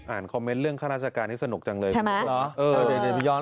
คอมเมนต์เรื่องข้าราชการนี้สนุกจังเลย